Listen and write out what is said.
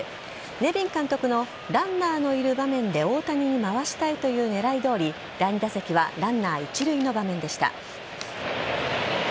ネビン監督のランナーのいる場面で大谷に回したいという狙いどおり第２打席はランナー一塁の場面でした。